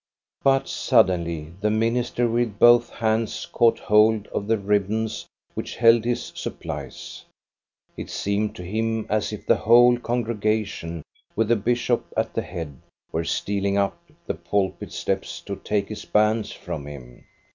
But suddenly the minister with both hands caught hold of the ribbons which held his sur plice. It seemed to him as if the whole congregation, with the bishop at the head, were stealing up the pul pit steps to take his bands from him.